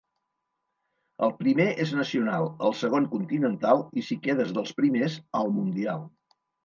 El primer és nacional, el segon continental i si quedes dels primers, al mundial.